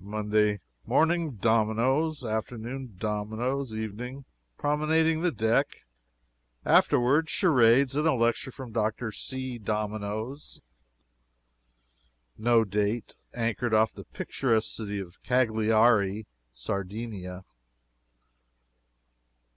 "Monday Morning, dominoes. Afternoon, dominoes. Evening, promenading the decks. Afterward, charades and a lecture from Dr. C. Dominoes. "No date Anchored off the picturesque city of Cagliari, Sardinia.